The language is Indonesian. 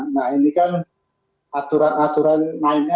nah ini kan aturan aturan lainnya